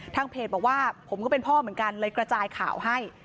เพจบอกว่าผมก็เป็นพ่อเหมือนกันเลยกระจายข่าวให้